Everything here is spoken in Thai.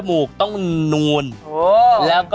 มันเป็นแผล